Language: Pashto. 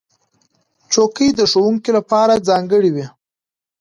چوکۍ د ښوونکو لپاره ځانګړې وي.